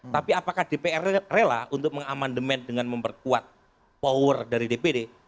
tapi apakah dpr rela untuk mengamandemen dengan memperkuat power dari dpd